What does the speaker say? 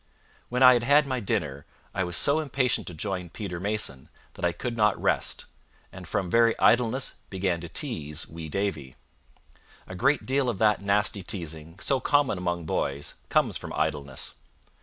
When I had had my dinner, I was so impatient to join Peter Mason that I could not rest, and from very idleness began to tease wee Davie. A great deal of that nasty teasing, so common among boys, comes of idleness.